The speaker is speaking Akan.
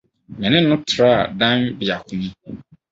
Me ne no traa dan biako mu.